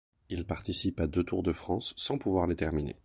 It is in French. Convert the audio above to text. Il participe à deux Tours de France sans pouvoir les terminer.